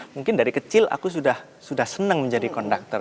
mungkin dari kecil aku sudah senang menjadi konduktor